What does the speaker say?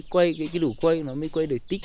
cái đủ quay nó mới quay được tích